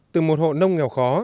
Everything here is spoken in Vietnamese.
từ một hộ nông nghèo khó